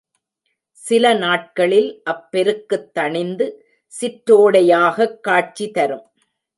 சில நாட்களில் அப் பெருக்குத் தணிந்து, சிற்றோடையாகக் காட்சி தரும்.